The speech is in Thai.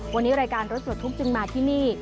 วันนี้รายการรถปลดทุกข์จึงมาที่นี่